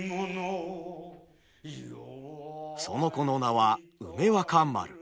その子の名は梅若丸。